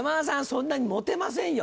そんなに持てませんよ。